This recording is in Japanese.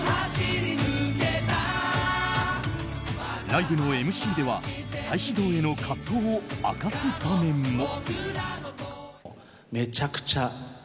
ライブのＭＣでは再始動への葛藤を明かす場面も。